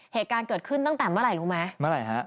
เหตุการณ์เกิดขึ้นตั้งแต่เมื่อไหร่รู้ไหมเมื่อไหร่ฮะ